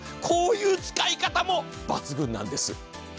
こういう使い方も抜群なんです。